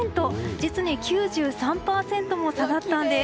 実に９３％も下がったんです。